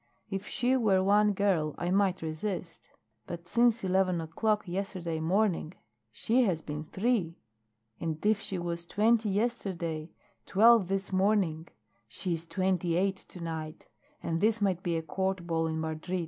"If she were one girl I might resist. But since eleven o'clock yesterday morning she has been three. And if she was twenty yesterday, twelve this morning, she is twenty eight to night, and this might be a court ball in Madrid.